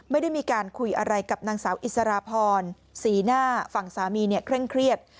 ไม่ได้มีการคุยอะไรกับนางสาวอิสราพรสีหน้าฝั่งสามีเนี่ยเคร่งเครียด